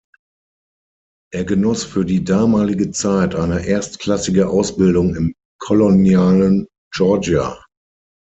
Er genoss für die damalige Zeit eine erstklassige Ausbildung im kolonialen Georgia.